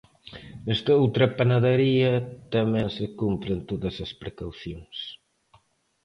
Nestoutra panadería tamén se cumpren todas as precaucións.